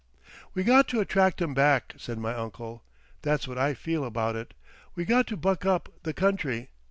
"We got to attract 'em back," said my uncle. "That's what I feel about it. We got to Buck Up the country.